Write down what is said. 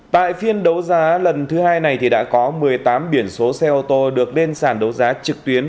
tại phiên đấu giá lần thứ hai này thì đã có một mươi tám biển số xe ô tô được lên sàn đấu giá trực tuyến